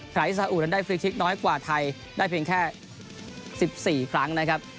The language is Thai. สาอุนั้นได้ฟรีคลิกน้อยกว่าไทยได้เพียงแค่๑๔ครั้งนะครับ